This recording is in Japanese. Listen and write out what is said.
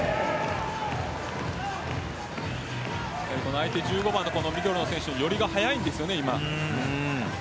相手１５番のミドルの選手は寄りが速いです。